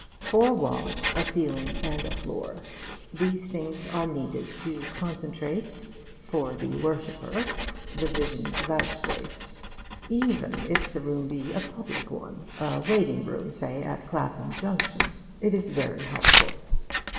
Four walls, a ceiling, and a floor these things are needed to concentrate for the worshipper the vision vouchsafed. Even if the room be a public one a waiting room, say, at Clapham Junction it is very helpful.